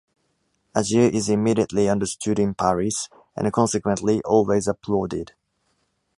A jeer is immediately understood in Paris, and consequently, always applauded.